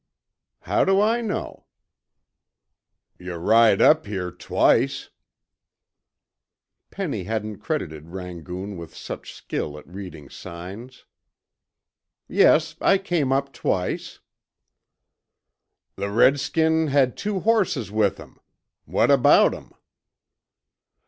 "How do I know?" "Yuh rid up here twice." Penny hadn't credited Rangoon with such skill at reading signs. "Yes, I came up twice." "The redskin had two horses with him. What about 'em?"